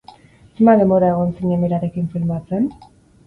Zenbat denbora egon zinen berarekin filmatzen?